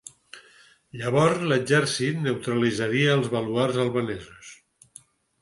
Llavors l'exèrcit "neutralitzaria els baluards albanesos".